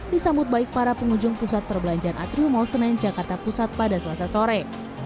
disambut baik para pengunjung pusat perbelanjaan atriumal senen jakarta pusat pada selasa sore